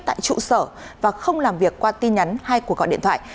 tại trụ sở và không làm việc qua tin nhắn hay cuộc gọi điện thoại